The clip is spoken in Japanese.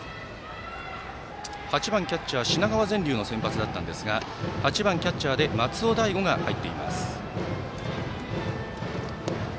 ８番キャッチャー、品川善琉の先発だったんですが８番キャッチャーで松尾大悟が入っています。